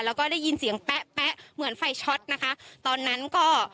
แล้วก็ได้ยินเสียงแป๊ะแป๊ะเหมือนไฟช็อตนะคะตอนนั้นก็